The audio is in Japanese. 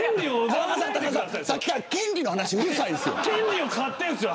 さっきから権利の話うるさいですよ。